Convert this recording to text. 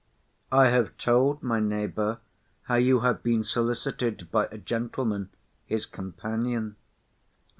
I have told my neighbour how you have been solicited by a gentleman his companion.